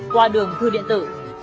qua đường thư điện tử